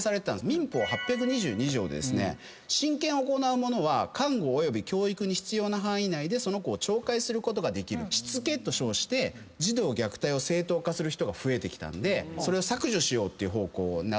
民法８２２条で「親権を行う者は監護および教育に必要な範囲内でその子を懲戒することができる」しつけと称して児童虐待を正当化する人が増えてきたんでそれを削除しようって方向に。